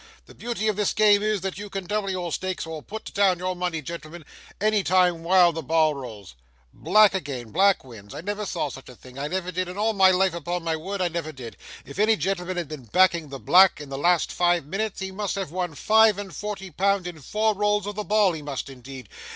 The beauty of this game is, that you can double your stakes or put down your money, gentlemen, any time while the ball rolls black again black wins I never saw such a thing I never did, in all my life, upon my word I never did; if any gentleman had been backing the black in the last five minutes he must have won five and forty pound in four rolls of the ball, he must indeed.